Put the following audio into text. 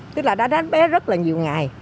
tức là đã đánh bé rất là nhiều ngày